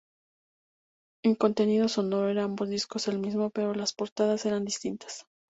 El contenido sonoro era en ambos discos el mismo, pero las portadas eran distintas.